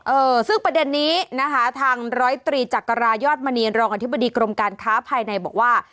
เออซึ่งประเด็นนี้นะคะทางร้อยตรีจักรายอดมณีรองอธิบดีกรมการค้าภายในบอกว่า